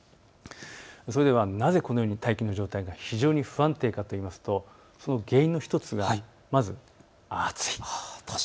そしてなぜこのように大気の状態が非常に不安定かというとその原因の１つがまず暑い。